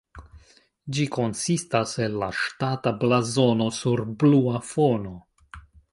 Ĝi konsistas el la ŝtata blazono sur blua fono.